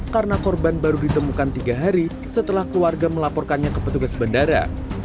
karena korban baru ditemukan tiga hari setelah keluarga melaporkannya ke petugas bandara